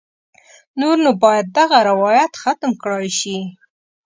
نور نو باید دغه روایت ختم کړای شي.